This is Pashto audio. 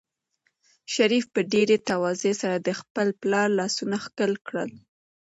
شریف په ډېرې تواضع سره د خپل پلار لاسونه ښکل کړل.